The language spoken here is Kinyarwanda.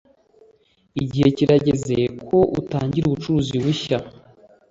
Igihe kirageze ko utangira ubucuruzi bushya.